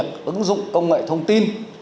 cũng cần phải thay đổi